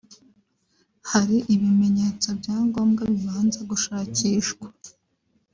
hari ibimenyetso bya ngombwa bibanza gushakishwa